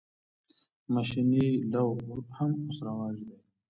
ماشیني لو هم اوس رواج دی.